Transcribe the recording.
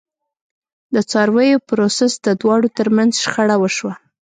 د څارویو پرسر د دواړو ترمنځ شخړه وشوه.